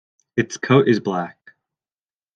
Its coat is black.